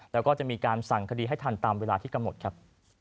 แล้วก็จะมีการสั่งคดีให้ทันตามเวลาที่กำหนดครับ